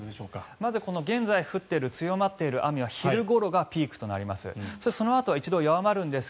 まず、この現在降っている強まっている雨は昼ごろがピークとなります。